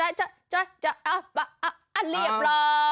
อาเจนกันหรอ